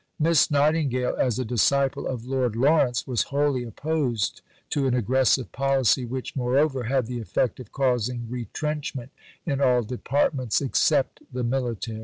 Miss Nightingale, as a disciple of Lord Lawrence, was wholly opposed to an aggressive policy which, moreover, had the effect of causing retrenchment in all departments except the military.